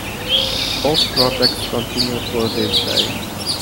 Both projects continue to this day.